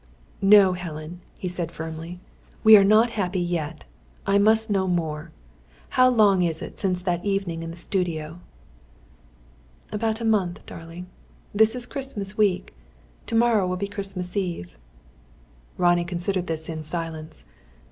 "No, Helen," he said firmly. "We are not happy yet. I must know more. How long is it since that evening in the studio?" "About a month, darling. This is Christmas week. To morrow will be Christmas Eve." Ronnie considered this in silence.